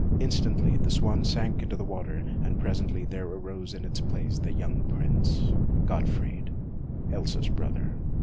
Instantly, the swan sank into the water, and presently there arose in its place the young prince, Gottfried, Elsa's brother.